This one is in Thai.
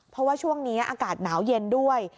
เพราะว่าช่วงนี้อากาศหนาวเย็นด้วย